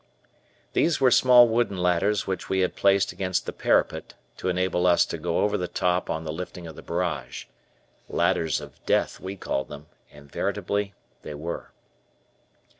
These were small wooden ladders which we had placed against the parapet to enable us to go over the top on the lifting of the barrage. "Ladders of Death" we called them, and veritably they were.